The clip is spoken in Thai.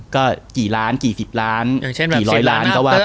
ก็กี่ล้านกี่สิบล้านกี่ร้อยล้านก็ว่า